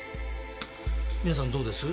皆さんどうです？